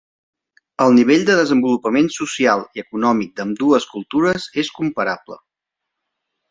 El nivell de desenvolupament social i econòmic d'ambdues cultures és comparable.